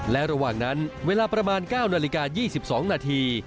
และระหว่างนั้นเวลาประมาณ๙นาฬิกา๒๒นาที